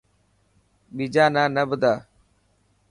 ٻيجا نا نه ٻڌا.